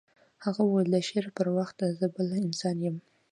هغه وویل د شعر پر وخت زه بل انسان یم